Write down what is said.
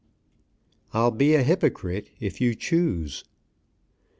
"I'LL BE A HYPOCRITE IF YOU CHOOSE."